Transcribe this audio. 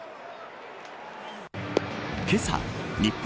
けさ、日本